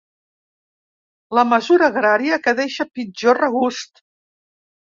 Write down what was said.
La mesura agrària que deixa pitjor regust.